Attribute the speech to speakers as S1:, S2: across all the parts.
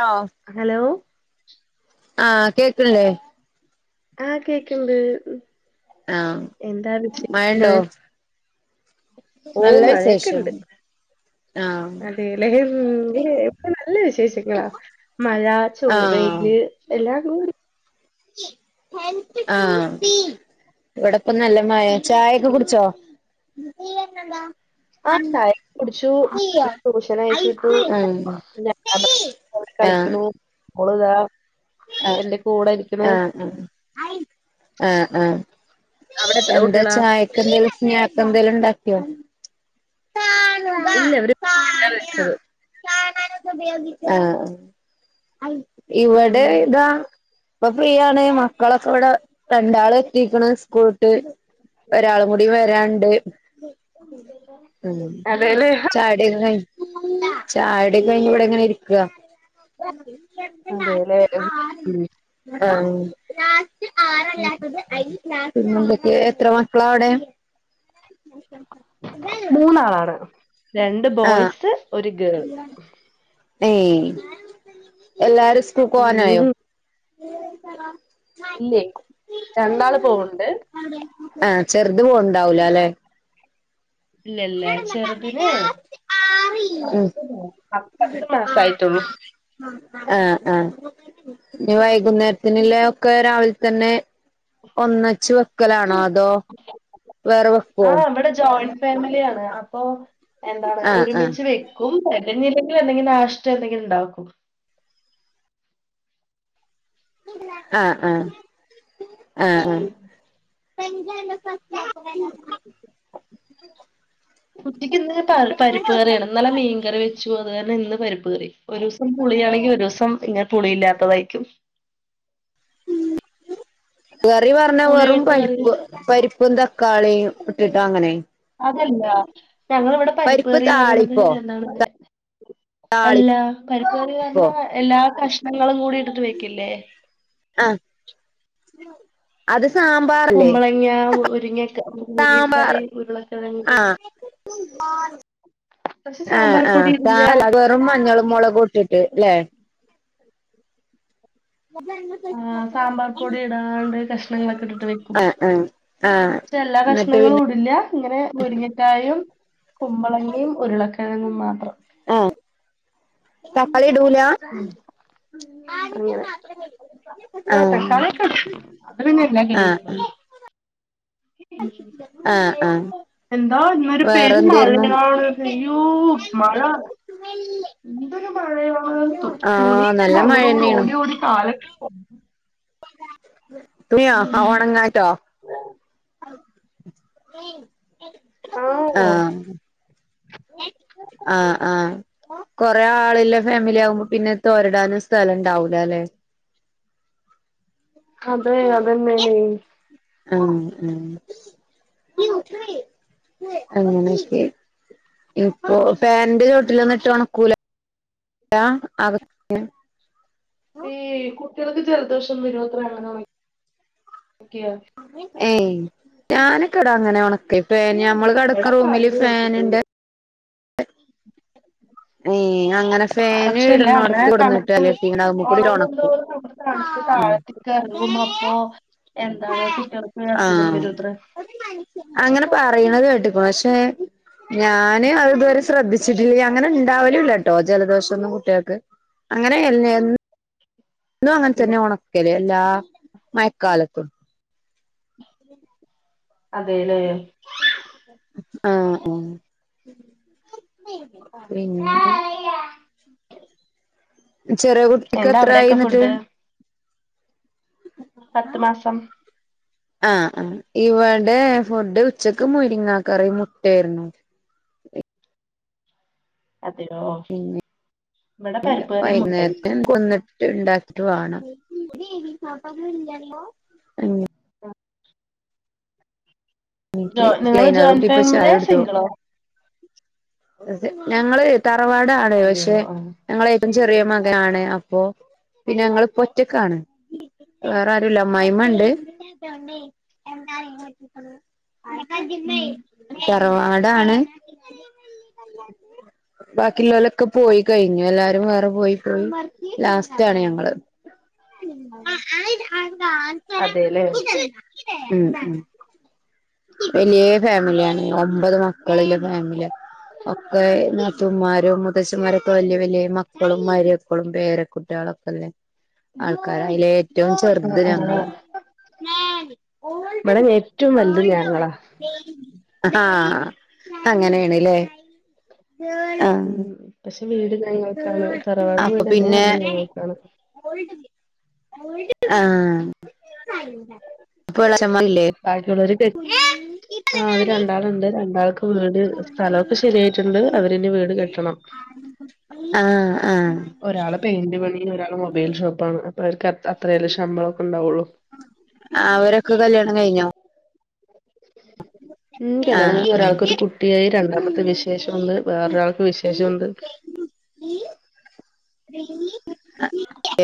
S1: Law
S2: hello
S1: ആഹ് കേക്ൺല്ലേ
S2: ആഹ് കേക്ക്ൺണ്ട് ഉം
S1: ആഹ്
S2: എന്താ
S1: മഴണ്ടോ
S2: വിശേഷങ്ങൾ ഓ
S1: നല്ല വിശേഷം ആഹ
S2: അതേലെ പ്പം നല്ല വിശേഷങ്ങളാ മഴ ചൊവെയില് എല്ലാം [unintelligible]
S1: ആഹ ഇവിടെപ്പം നല്ല മയെ ചായൊക്കെ കുടിച്ചോ
S2: ആഹ് ചായൊക്കെ കുടിച്ചു ടൂഷൻ അയച്വിട്ടു
S1: ആഹ് ആഹ്
S2: [unintelligible]
S1: ആഹ്
S2: കളിക്ക്ണൂ ഓൾതാ എന്റെ കൂടെ ഇരിക്കണു
S1: ആഹ ആഹ ആഹ ആഹ
S2: അവിടെ എത്ര
S1: എന്താ
S2: കുട്ടികളാ
S1: ചായക്കെന്തേലും സ്നാക്ക് എന്തേലും ഇ ണ്ടാക്കിയോ
S2: ഇല്ല [unintelligible]
S1: ആഹ ആ
S2: ഉം
S1: ഇവിടെ ഇതാ ഇപ്പൊ ഫ്രീയാണ് മക്കളൊക്കെ ഇവിടെ രണ്ടാള് എത്തിക്ക്ണ് സ്കൂളട്ട് ഒരാളും കൂടി വരാണ്ട് ഉ
S2: അതേല്ലേ
S1: ചായുടിക്കെ ചായുടി ക്കെ കഴിഞ് ഇവിടെങ്ങനെ ഇര്ക്കാ
S2: അതേല്ലേ
S1: [unintelligible] ആ
S2: ഉം
S1: ഏയ് എത്ര മക്കളാ അവിടെ
S2: മൂന്നാളാണ് രണ്ട്
S1: ആഹ്
S2: ബോയ്സ്, ഒരു ഗേൾ.
S1: ഏയ് എല്ലാരും
S2: ഉം
S1: സ്കൂൾക്കോവാനായോ
S2: ഇല്ലേ രണ്ടാള് പോവ്ണ്ട്.
S1: ആ ചെറുത് പോവ്ണ്ടാവൂലലെ
S2: ഇല്ലല്ല ചെറുതിന്
S1: ഉം
S2: പത്ത് മാസായിട്ടുള്ളൂ
S1: ആ ആ ഇ വൈകുന്നേരത്തിനുള്ള ഒക്കെ രാവിൽതെന്നെ ഒന്നച്ച് വെക്കലാണോ അത്- അതോ വേറെ വെക്കോ
S2: ആഹ് ഇവിടെ ജോയിന്റ് ഫാമിലിയാണ് അപ്പൊ എന്താണ്
S1: ആഹ് ആഹ്
S2: ഒരുമിച്ച് വെക്കും. [unintelligible] നാഷ്റ്റ എന്തെങ്കിലുമുണ്ടാക്കും
S1: ആ ആ ആ ആ
S2: ഉച്ചയ്ക്ക് ഇന്ന് പരിപ്പ് കറിയാണ് ഇന്നലെ മീൻകറി വെച്ചു. അത് കാരണം ഇന്ന് പരിപ്പ് കറി ഓരോസം പുളിയാണെങ്കി ഓരോസം ഇങ്ങനെ പുളിയില്ലാത്തതായിരിക്കും.
S1: [inaudible] കറി പറഞ്ഞാ
S2: പുളി
S1: വെറും
S2: ഒഴിച്ച കറി
S1: പരിപ്പ് പരിപ്പും, തക്കാളിയും ഇട്ടിട്ടാ അങ്ങനെ
S2: അതല്ല ഞങ്ങള ഇവിടെ
S1: പരിപ്പ്
S2: പരിപ്കറി പറയണത്
S1: താളിപ്പോ
S2: എന്താണ് അല്ല
S1: താളിപ്പോ
S2: പരിപ്പ് കറി പറഞ്ഞ എല്ലാ കഷ്ണങ്ങളും കൂടി ഇട്ടിട്ട് വെക്കില്ലേ
S1: ആഹ് അത് സാമ്പാറല്ലേ?
S2: കുമ്പളങ്ങ മുരിങ്ങക്ക
S1: സാമ്പാർ
S2: മുരിങ്ങക്കായ് ഉരുളക്കിഴങ്ങ്
S1: ആ
S2: പക്ഷെ
S1: ആ
S2: സാമ്പാർ പൊടി ഇടില്ല
S1: ആ വെറും മഞ്ഞളും, മുളകും ഇട്ടിട്ട് ല്ലേ?
S2: ആ സാമ്പാർ പൊടി ഇടാണ്ട് കഷ്ണങ്ങളൊക്കെ ഇട്ടിട്ട് വെക്കും
S1: ആഹ് ആഹ് ആഹ്
S2: പക്ഷെ എല്ലാ
S1: എന്നിട്ട്
S2: കഷ്ണങ്ങളും
S1: പിന്നെ
S2: ഇടില്ല ഇങ്ങനെ മുരിങ്ങക്കായും കുമ്പളങ്ങിയും, ഉരുളക്കിഴങ്ങും മാത്രം
S1: ആ തക്കാളി ഇടൂല്ല. ആ [unintelligible]
S2: അങ്ങനെ
S1: മാത്ര
S2: ആ തക്കാളി ഒക്കെ ഇടും. അത് പിന്നെ എല്ലാ കറിയിലും ഇടും. ഉം.
S1: ആ ആ
S2: എന്താ ഇന്നൊരു പെര് മഴയാണ് അയ്യോ മഴ. എന്തൊരു - തുണി
S1: ആഹ് നല്ല
S2: [unintelligible] അങ്ങോടും ഇങ്ങൂടും
S1: മഴന്നേണ്
S2: ഓടി ഓടി കലങ്ങിടു -
S1: തുണിയ ആ ഓണങ്ങായിട്ടോ?. ആ ആ ആ. കൊറെേ ആളില്ല ഫാമിലി ആകുമ്പോ പിന്നെ തൊരടാനും സ്ഥലം ഇന്ണ്ടാവില്ലലേ?
S2: അതെ അതുതന്നെയാണ്.
S1: ആ ആ [unintelligible] ഇപ്പൊ ഫാൻൻ്റെ ചോട്ടിലൊന്നിട്ട് ഓണക്കുല്ല. [unintelligible]
S2: ഈ കുട്ടികൾക്ക് ജലദോഷം [unintelligible]
S1: ഏയ് ഞാനൊക്കെടാ അങ്ങനെ ഉണക്കെ ഇ ഞമ്മള്
S2: ഇവിടെ
S1: കിടക്കുന്ന റൂമില്
S2: പറഞ്ഞു കേട്ടിട്ടുണ്ട്
S1: ഫാനുണ്ട്. ഏഹ് അങ്ങനെ ഫാന്
S2: പക്ഷേല്ല അങ്ങനെ
S1: ഇടുന്നോടത്ത് കൊടന്നിട്ട്
S2: തണുപ്പ്
S1: അല്ലെങ്കി കൂടി ഒണക്കും
S2: [unintelligible] താഴത്തേക്ക് ഇറങ്ങും അപ്പോ എന്താണ് കുട്ടികൾക്ക് അസുഖം
S1: ആഹ്
S2: വരുത്രേ.
S1: അങ്ങനെ പറയണത് കേട്ടിക്കു പക്ഷെ ഞാന് അത് ഇത് വരെ - ശ്രദ്ധിച്ചിട്ടില്ല അങ്ങനെ ഉണ്ടാവലല്ലട്ടോ ജലദോഷംന്നും കുട്ടികൾക്ക് അങ്ങനെ- എന്നും അങ്ങന തന്നെ ഉണക്കൽ എല്ലാ മയക്കാലത്തും.
S2: അതല്ലേ.
S1: ആ ആ [inaudible] ചെറ കുട്ടിക്ക്
S2: എന്താ
S1: എത്ര ആയി
S2: അവിടെയൊക്കെ
S1: ന്നിട്ട്.......
S2: ഫുഡ് പത്ത് മാസം.......
S1: ആഹ ആ ഇവിടെ ഫുഡ് ഉച്ചക്ക് മുരിങ്ങ കറി മുട്ടായിരുന്നു....,
S2: അതെയോ
S1: പിന്നെ
S2: ഇവിടെ പരിപ്പ് കറിയും മുട്ടയും
S1: വൈകുന്നേരത്ത...... [unintelligible] [unintelligible]
S2: ജോ നിങ്ങള് ജോയിന്റ്
S1: [unintelligible] പക്ഷെ
S2: ഫാമിലിയാ
S1: യിടത്തോ [unintelligible]
S2: സിംഗിളോ
S1: അ ഞങ്ങള് തറവാടാണ
S2: അതെയോ
S1: പക്ഷെ
S2: ആ
S1: ഇ ചെറിയ മകാണ് അപ്പൊ പിന്നെ ഞങ്ങള് പൊറ്റക്കാണ്..... വേറെ ആരല്ല അമ്മായിയമ്മ ഉണ്ട്......
S2: ഉം
S1: [unintelligible] റവാടാണ് ബാക്കിയുള്ളലൊക്കെ പോയി..... ഇ എല്ലാരും വേറെ പോയി പോയി ലാസ്റ്റ്ണ് ഞങ്ങള്.....
S2: അതെല്ലേ
S1: [unintelligible] വലിയ ഫാമിലിയാണ് ഒമ്പത് മക്കളിലെ ഫാമിലി...... ഒക്കെ നത്തൂമ്മാർ...... അദേശന്മാരൊക്കെ വലിയ വലിയ മക്കളും മാര്യക്കളും പേരെ കുുട്ടികളൊക്കെല്ലെ ആൾക്കാരാ........ എറ്റവും
S2: ആ
S1: ചേർത്
S2: ആ
S1: ഞങ്ങളാ....
S2: ഇവിടെ ഏറ്റവും വലുത് ഞങ്ങളാ.....
S1: ആ അങ്ങനെയണല്ലേ
S2: ഉം പക്ഷെ വീട് ഞങ്ങൾക്കാണ് തറവാട്
S1: അപ്പൊ
S2: വീട് തന്നെയ
S1: പിന്നെ
S2: അത് ഞങ്ങൾക്കാണ്
S1: ആ
S2: ബാക്കിയുള്ളവര് കെ ആ അവര് രണ്ടാളുണ്ട്
S1: [unintelligible]
S2: രണ്ടാൾക്ക് വീട് സ്ഥലമൊക്കെ ശരിയായിട്ടുണ്ട് അവരിെ വീട് കെട്ടണം.....
S1: ആ ആ
S2: ഒരാള് പെയിന്റ് പണി ഒരാൾ മൊബൈൽ ഷോപ്പ ആണ് അപ്പൊ അവർക്ക് അത്രയല്ലേ ശമ്പളമ ഒക്കെണ്ടാള്ളു
S1: ആ അവരൊക്കെ കല്യാണം കഴിഞ്ഞോ [unintelligible]
S2: ഉം
S1: ആ
S2: കല്യാണം കഴിഞ്ഞു
S1: ആ
S2: ഒരാൾക്കരു കുട്ടിയായി രണ്ടാമത്തെ വിശേഷം ഉണ്ട് വേറൊരാൾക്ക് വിശേഷം ഉണ്ട്.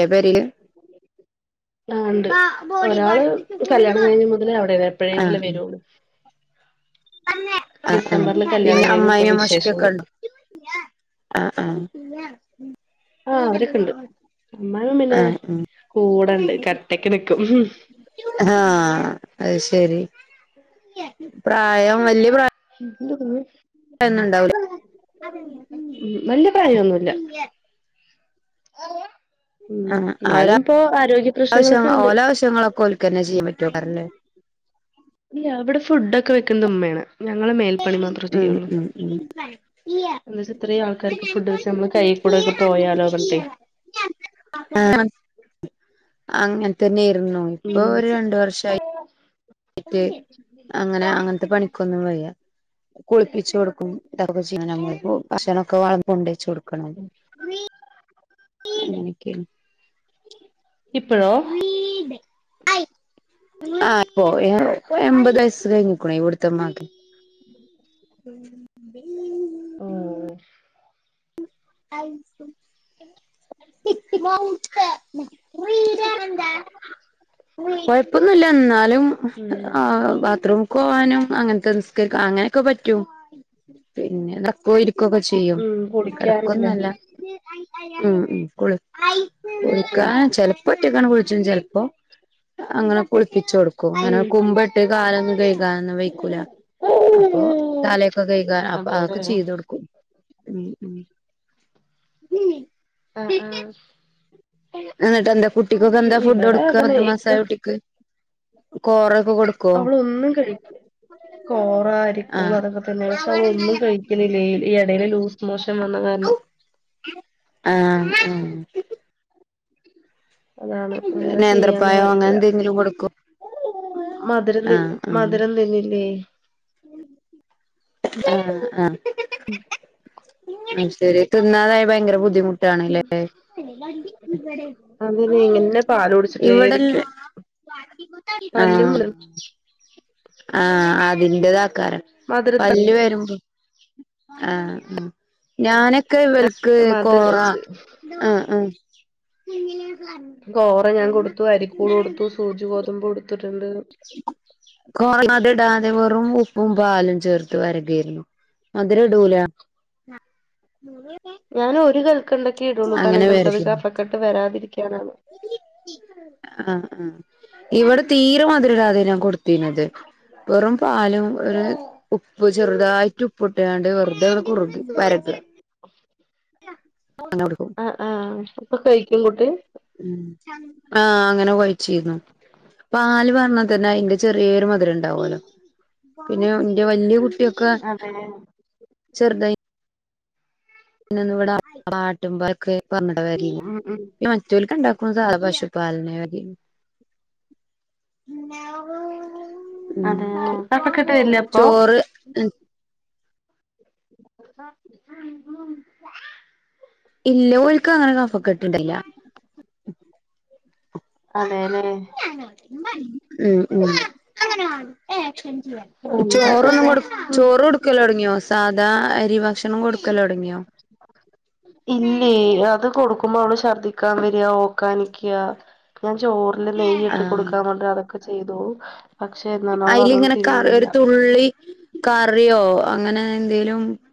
S1: എവരില് [unintelligible]
S2: ആ ഉണ്ട് ഒരാള് കല്യാണം കഴിഞ്ഞ മുതലേ അവിടെ
S1: ആ
S2: എപ്പോഴെങ്കിലും വരള്ളു.
S1: ആ ആ പിന്നെ
S2: കല്യാണം കഴിഞ്ഞ് ഇപ്പൊ
S1: അമ്മായി അമോഷക്കൊക്കെ
S2: വിശേഷമാണ്
S1: ഉണ്ടോ? ആ ആ [unintelligible]
S2: അമ്മായിമ പിന്നെ
S1: ആ ഉം
S2: കൂടെണ്ട് കട്ടക്ക്‌ നിക്കും.
S1: ആ അത് ശരി പ്രായം വല്യ പ്രായ
S2: [unintelligible]
S1: ണ്ടാവുലെ.
S2: വല്യ പ്രായൊന്നുല്ല
S1: [unintelligible]
S2: [unintelligible]
S1: ആ ഓല
S2: എന്നാലും ഇപ്പോ ആരോഗ്യ പ്രശ്നങ്ങളൊക്കെ ഉണ്ട്
S1: ഓല ആവശ്യങ്ങളൊക്കെ ഓൽക്കന്നെ ചെയ്യാൻ പറ്റും. [unintelligible]
S2: ഇല്ല അവിടെ ഫുഡക്കെ വെക്കുന്ന ഉമ്മയാണ്. ഞങ്ങള് മേൽപ്പണി മാത്രമേ
S1: മ്
S2: ചെയ്യുള്ളൂ
S1: മ് മ്
S2: എന്താ വെച്ചാ ഇത്രയും ആൾക്കാർക്ക് ഫുഡ് വെച്ച് നമ്മള് കൈ കൂടെ ഒക്കെ പോയാലോ പറഞ്ഞിട്ടെ
S1: ആ അങ്ങനെ തന്നൊയിരുന്നു ഇപ്പൊ
S2: ഉം
S1: ഒരു രണ്ടു വർഷായി
S2: [inaudible]
S1: നൊന്നും വയ്യാ കുളിപ്പിച്ച് കൊടുക്കും [unintelligible] ഭക്ഷൊണൊക്കെ വളബി കൊണ്ടവച്ചു കൊടുക്ക [unintelligible] അങ്ങനെക്കെ.
S2: ഇപ്പഴോ.
S1: ആ ഇപ്പോ എൺമ്പത് വയസ്സ് കഴിഞ്ഞിക്കുണെ ഇവിടുത്തെമ്മാക്ക്.
S2: [unintelligible]
S1: [unintelligible]
S2: ആ
S1: [inaudible]
S2: [inaudible]
S1: [unintelligible] വൂ ഈ കൊഴപ്പൊന്നുല്ല്യ, ന്നാലും ഹും
S2: ഉം
S1: ആ ബാത്റൂമ്ക്കോവാനും അങ്ങനത്തെ നിസ്ക്കരിക്ക അങ്ങനെ ക്ക പറ്റും. പിന്നെ നെക്കും ഇരിക്കൊക്കെ ചെയ്യും. കെട
S2: ഖന്നല്ലേ
S1: ഉം ഉം കുൾ
S2: ആഹ്
S1: കുൾക്കാൻ ചെൽപ്പോ റ്റക്കാണ്ട് കുൾച്ചും, ചെൽപ്പം അ അങ്ങനെ കുൾപ്പിച്ചൊട്ക്കും. അങ്ങനെ
S2: ഉം
S1: കുമ്പിട്ട് കാലൊന്നും കഴ്കാനൊന്നും വൈക്കൂല. അപ്പോ, തലയൊക്കെ കഴികാ അപ്പൊ അ
S2: അതെല്ലേ
S1: ഒക്കെ ചെയ്തൊട്ക്കും. ഉം ഉം ഉം
S2: ആ ആ
S1: ആ ന്നെട്ടെന്താ കുട്ടിക്കൊക്കെ എന്താ ഫുഡ് കൊട്ക്ക,
S2: അതന്നെ
S1: പത്ത്‌ മാസായ കുട്ടിക്ക്. കോറ
S2: അവൾ ഒന്നും കഴിക്ക്‌ കോറ, അരിപ്പൂവ്
S1: ആഹ്
S2: അതൊക്കെ തന്നെ, പക്ഷെ ഒന്നും കഴിക്കുന്നില്ലേ ഈ ഇടെൽ ലൂസ് മോഷൻ വന്നകാര ലു
S1: ആ ആ
S2: അതാണ്. എന്താ ചെയ്യാന്നേ
S1: നേന്ത്രപ്പായോ അങ്ങനെ
S2: അറിയില്ല.
S1: എന്തെങ്കിലും കൊടുക്കോ
S2: മധുരം തി മധുരം തിന്നില്ലേ?
S1: ആ ആ അയ് ശരി, തിന്നാതായ ഭയങ്കര ബുദ്ധിമുട്ടാണ്ലേ.
S2: അതിന് ഇങ്ങനെ പാല് കുടിച്ചിട്ടേ ഇരിക്കും
S1: ഇവിടെന്ന് ആ
S2: പല്ലും
S1: ആ അതിൻ്റെതാക്കാരം,
S2: മധുരത്ത
S1: പല്ല് വരുമ്പോ ആ ഞാന് ക്ക്‌ വൽക്ക്
S2: മധുര
S1: കോറ, ആ ഉം
S2: കോറെ ഞാൻ കൊട്ത്തു, അരിക്കൂൾ കൊട്ത്തു, സൂജി ഗോതമ്പ് കൊട്ത്തു.
S1: കോറൽതിടാതെ വെറും ഉപ്പും പാലും ചേർത്ത് വരക് തീർന്നു. മധുരെടൂലാ
S2: ഞാനൊരു കൽക്കെണ്ടക്കെടുള്ളൂ. പനം കൽക്ക ത് കഫക്കെട്ട് വരാതിരിക്കാനാണ്.
S1: ആ ആ ഇവിടെ തീരെ മത് രടാതെ ഞാങ്കൊട്ത്തീനത്. വെറും പാലും ഒര് ഉപ്പ് ചെറുതായിട്ട് ഉപ്പ്ട്ട്കാണ്ട് വെറുതെ കുറുക് വരക അങ്ങനെ കൊടുക്കും
S2: ആ ആ ഇപ്പൊ കഴിക്കും കുട്ടി?
S1: ഉം ആ അങ്ങനെ ഒഴിച്ചീര്ന്നു. പാല് പാർന്നാ തന്നെ അയിന്റെ ചെറിയൊരു മധുരണ്ടാവോലോ, പിന്നെ ന്റെ വലിയ കുട്ട്
S2: അതെ!
S1: ചെർതായ് ഇന്ന്ന്നിവ്ടെ ആ ആട്ടുമ്പാക്രി പർഞ്ഞിട്ടാ വാങ്ങിനെ,
S2: ഉം ഉം
S1: മറ്റോൽക്കണ്ടാൾക്കും സാധാ പശുപാലന്നെ വര് ഇ ഉം
S2: അതെല്ലേ കഫക്കെട്ട് വരില്ലേ അപ്പൊ
S1: ചോറ് ഉം
S2: [unintelligible]
S1: ഇല്ല. ഓൽക്കങ്ങനെ കഫക്കെട്ട് ഇണ്ടായ്ല്ല.
S2: അതേലെ
S1: ഉം ഉം
S2: എന്താ
S1: ചോറൊന്നും
S2: ചെയ്യാ
S1: കൊടുത്
S2: ഉം
S1: ചോറ് കൊടുക്കലൊട്ങ്ങ്യോ സാദ് താ അരി ഭക്ഷണം കൊടുക്കലൊടങ്ങ്യോ?
S2: ഇല്ലേയ്, അത് കൊടുക്കുമ്പോ അവള് ശർദ്ദിക്കാൻ വര്യാ, ഓക്കാനിക്യാ ഞാൻ ചോറില് നെയ്യ് ഇട്ട് കൊടുക്കാൻ പറഞ്ഞ അതൊക്കെ ചെയ്തോ
S1: അയിൽ ഇങ്ങനെ ക ഒരു തുള്ളി കറിയോ പ്പങ്ങനെ എന്തേലും പ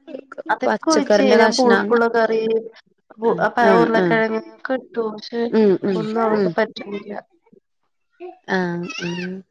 S2: അതൊക്കെ ഒഴിചെ ഞാൻ പുളുക്കുള്ള കറി
S1: ആ
S2: അപ്പൊ
S1: ആ ആ
S2: ഉരുളക്കിഴങ് ഒക്കെ ഇട്ടും ദോശെ
S1: ഉം
S2: ഒന്നും അവക്ക് പറ്റുന്നില്ല
S1: ആ ആ